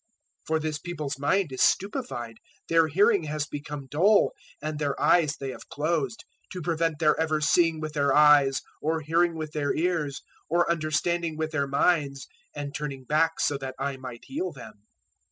013:015 For this people's mind is stupefied, their hearing has become dull, and their eyes they have closed; to prevent their ever seeing with their eyes, or hearing with their ears, or understanding with their minds, and turning back, so that I might heal them.'